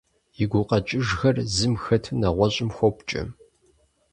И гукъэкӀыжхэр зым хэту нэгъуэщӀым хопкӀэ.